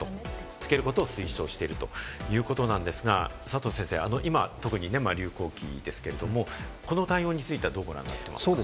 付けることを推奨しているということですが、佐藤先生、特に今、流行期ですけれども、この対応については、どうご覧になっていますか？